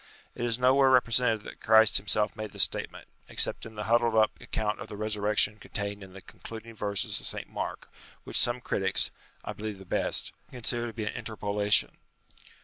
It is nowhere represented that Christ himself made this statement, except in the huddled up account of the Resurrection contained in the con cluding verses of St. Mark, which some critics (I believe the best), consider to be an interpolation.